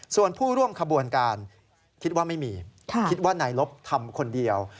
ส่วนผู้ร่วมขบวนการคิดว่าไม่มีคิดว่านายลบทำคนเดียว